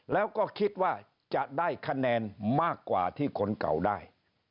แล้วก็คิดว่าจะได้คะแนนมากกว่าที่คนเก่าได้